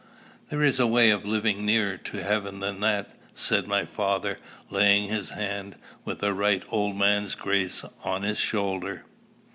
"There is a way of living nearer to heaven than that," said my father, laying his hand, "with a right old man's grace," on his shoulder.